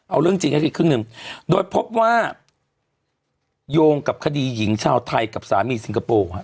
เอาเรื่องจริงให้อีกครึ่งหนึ่งโดยพบว่าโยงกับคดีหญิงชาวไทยกับสามีสิงคโปร์